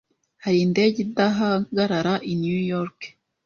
Hari indege idahagarara i New York?